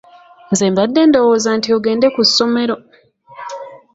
Nze mbadde ndowooza nti ogende ku ssomero.